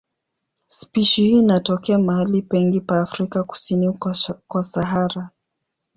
Spishi hii inatokea mahali pengi pa Afrika kusini kwa Sahara.